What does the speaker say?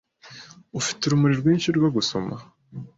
Ufite urumuri rwinshi rwo gusoma?